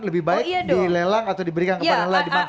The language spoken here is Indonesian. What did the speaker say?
lebih baik dilelang atau diberikan kepada nelayan